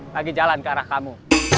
lagi jalan ke arah kamu